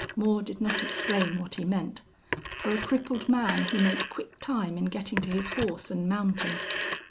Moore did not explain what he meant. For a crippled man, he made quick time in getting to his horse and mounting.